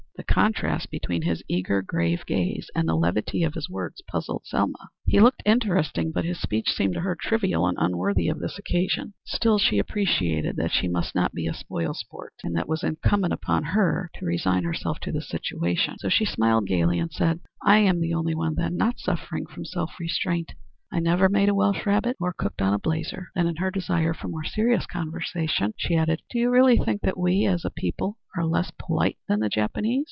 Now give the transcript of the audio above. The contrast between his eager, grave gaze, and the levity of his words, puzzled Selma. He looked interesting, but his speech seemed to her trivial and unworthy of the occasion. Still she appreciated that she must not be a spoil sport, and that it was incumbent on her to resign herself to the situation, so she smiled gayly, and said: "I am the only one then not suffering from self restraint. I never made a Welsh rabbit, nor cooked on a blazer." Then, in her desire for more serious conversation, she added: "Do you really think that we, as a people, are less polite than the Japanese?"